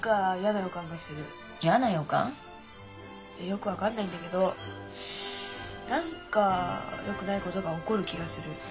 よく分かんないんだけど何かよくないことが起こる気がする。